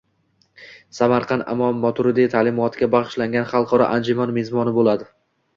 Samarqand Imom Moturidiy taʼlimotiga bagʻishlangan xalqaro anjuman mezboni boʻladi